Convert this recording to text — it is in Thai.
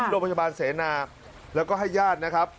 โรงพยาบาลเสนาแล้วก็ให้ญาตินะครับ